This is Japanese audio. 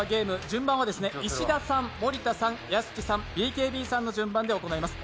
順番は石田さん、森田さん屋敷さん、ＢＫＢさんの順で行います。